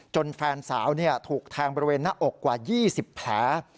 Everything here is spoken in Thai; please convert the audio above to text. แฟนสาวถูกแทงบริเวณหน้าอกกว่า๒๐แผล